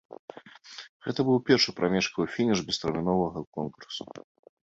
Гэта быў першы прамежкавы фініш бестэрміновага конкурсу.